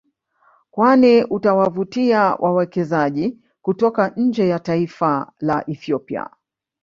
Kwani utawavutia wawekezaji kutoka nje ya taifa la Ethiopia